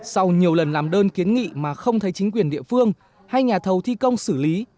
sau nhiều lần làm đơn kiến nghị mà không thấy chính quyền địa phương hay nhà thầu thi công xử lý